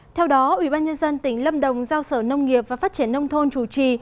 theo đó ủy ban nhân dân tỉnh lâm đồng giao sở nông nghiệp và phát triển nông thôn chủ trì